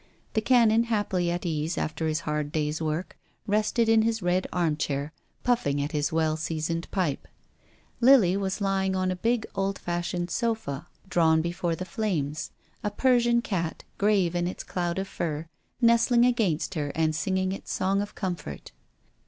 The Canon, happily at case after his hard day's work, rested in his rid armchair puffing at his well seasoned pipe. Lily was lying on a big old fashioned sofa drawn be IQO TONGUES OF CONSCIENCE. fore the flames, a Persian cat, grave in its cloud of fur, nestling against her and singing its song of comfort.